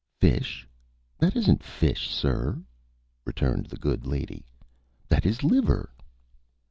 "Fish? That isn't fish, sir," returned the good lady. "That is liver."